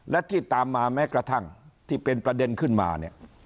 และที่ตามมาแม้กระทั่งที่เป็นประเด็นขึ้นมาเนี่ย